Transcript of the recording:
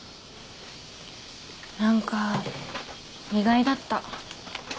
何か意外だった。